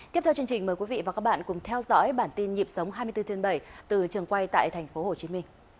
tiếp theo chương trình mời quý vị và các bạn cùng theo dõi bản tin nhịp sống hai mươi bốn trên bảy từ trường quay tại tp hcm